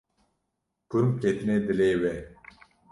Kurm ketine dilê wê.